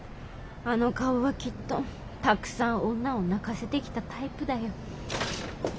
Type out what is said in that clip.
あの顔はきっとたくさん女を泣かせてきたタイプだよ。